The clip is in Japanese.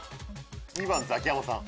２番ザキヤマさん。